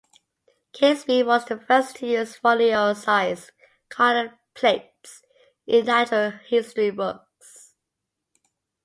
Catesby was the first to use folio-sized coloured plates in natural history books.